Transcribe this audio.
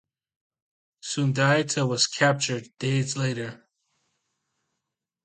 Sundiata was captured days later.